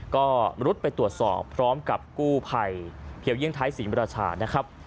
ก็รุดไปตรวจสอบพร้อมกับกู้ภัยเพียวเยี่ยงไทยศรีมราชานะครับ